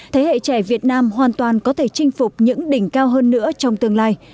thế hệ trẻ việt nam hoàn toàn có thể chinh phục những đỉnh cao hơn nữa trong tương lai